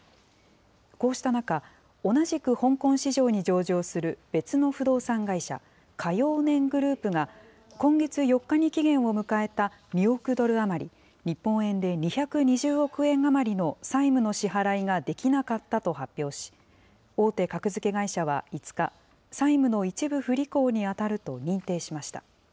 こうした中、同じく香港市場に上場する別の不動産会社、花様年グループが、今月４日に期限を迎えた２億ドル余り、日本円で２２０億円余りの債務の支払いができなかったと発表し、大手格付け会社は５日、債務の一部不履行に当たると認定しました。